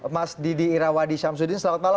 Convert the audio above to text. mas didi irawadi syamsuddin selamat malam